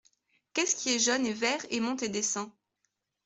Qu’est-ce qui est jaune et vert et monte et descend ?